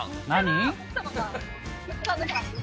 何？